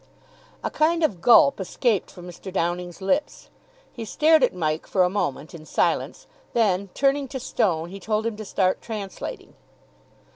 A kind of gulp escaped from Mr. Downing's lips. He stared at Mike for a moment in silence. Then, turning to Stone, he told him to start translating.